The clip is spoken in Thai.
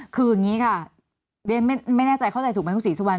คืออย่างนี้ค่ะเรียนไม่แน่ใจเข้าใจถูกไหมคุณศรีสุวรร